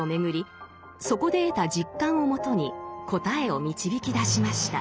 そこで得た実感をもとに答えを導き出しました。